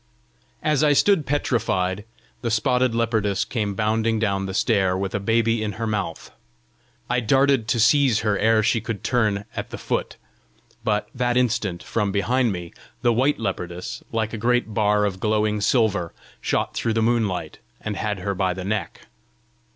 As I stood petrified, the spotted leopardess came bounding down the stair with a baby in her mouth. I darted to seize her ere she could turn at the foot; but that instant, from behind me, the white leopardess, like a great bar of glowing silver, shot through the moonlight, and had her by the neck.